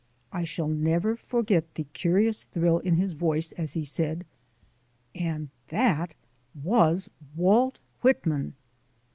I shall never forget the curious thrill in his voice as he said: "And THAT was Walt Whitman."